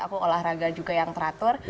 aku olahraga juga yang teratur